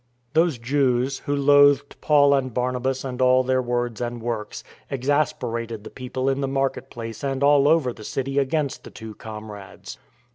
" Those Jews who loathed Paul and Barnabas and all their words and works, exasperated the people in the market place and all over the city against the two comrades.